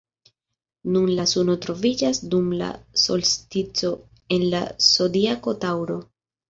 Nun la suno troviĝas dum la solstico en la zodiako Taŭro.